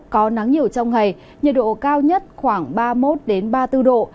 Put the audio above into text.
có nắng nhiều trong ngày nhiệt độ cao nhất khoảng ba mươi một ba mươi bốn độ